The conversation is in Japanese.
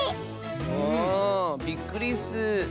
あびっくりッス！